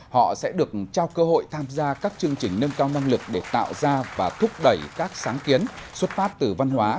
họ sẽ được trao cơ hội tham gia các chương trình nâng cao năng lực để tạo ra và thúc đẩy các sáng kiến xuất phát từ văn hóa